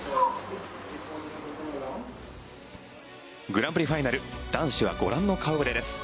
グランプリファイナル男子はご覧の顔触れです。